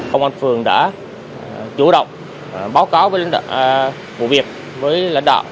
công an phường đã chủ động báo cáo với lãnh đạo bộ việc với lãnh đạo